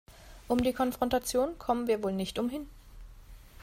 Um die Konfrontation kommen wir wohl nicht umhin.